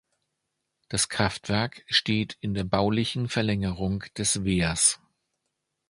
Das Kraftwerk steht in der baulichen Verlängerung des Wehrs.